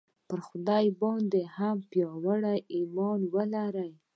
پر خدای باندې هم پیاوړی ایمان ولرئ